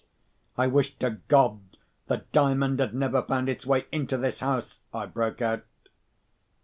"I wish to God the Diamond had never found its way into this house!" I broke out.